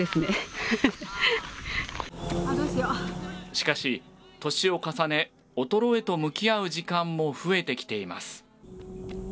しかし、年を重ね衰えと向き合う時間も増えてきています。